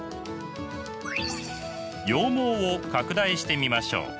羊毛を拡大してみましょう。